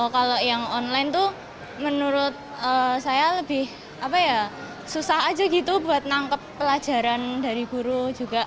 kalau yang online itu menurut saya lebih susah aja gitu buat nangkep pelajaran dari guru juga